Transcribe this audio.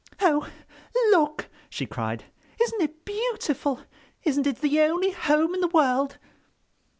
"Oh, look!" she cried, "isn't it beautiful? Isn't it the only home in the world?"